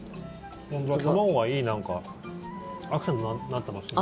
卵がいいアクセントになってますね。